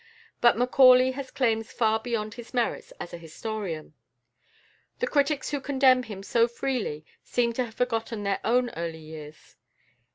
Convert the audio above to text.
But Macaulay has claims far beyond his merits as a historian. The critics who condemn him so freely seem to have forgotten their own early years.